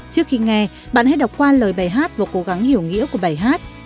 trước khi nghe bạn hãy đọc qua lời bài hát và cố gắng hiểu nghĩa của bài hát